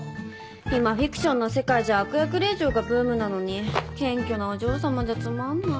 今フィクションの世界じゃ悪役令嬢がブームなのに謙虚なお嬢様じゃつまんない。